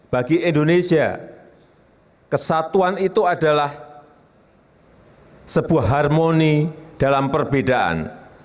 bagi indonesia kesatuan itu adalah sebuah harmoni dalam perbedaan